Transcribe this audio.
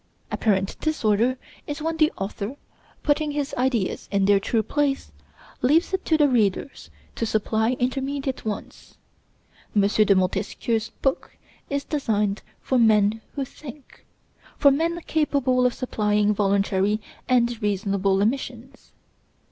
Apparent disorder is when the author, putting his ideas in their true place, leaves it to the readers to supply intermediate ones. M. de Montesquieu's book is designed for men who think, for men capable of supplying voluntary and reasonable omissions.